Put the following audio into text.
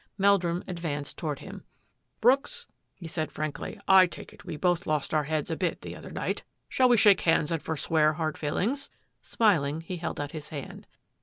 Meldrum advanced toward him. " Brooks," he said frankly, " I take it we both lost our heads a bit the other night. Shall we shake hands and for swear hard feelings ?" Smiling, he held out his hand.